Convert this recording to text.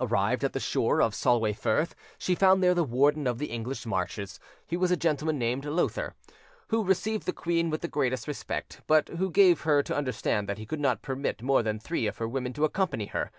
Arrived at the shore of Solway Firth, she found there the Warden of the English Marches: he was a gentleman named Lowther, who received the queen with the greatest respect, but who gave her to understand that he could not permit more than three of her women to accompany her.